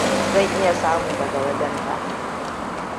Zan iya samu daga wajen ta.